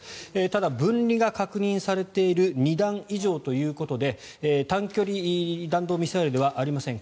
ただ分離が確認されている２段以上ということで短距離弾道ミサイルではありません。